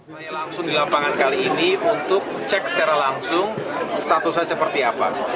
saya langsung di lapangan kali ini untuk cek secara langsung statusnya seperti apa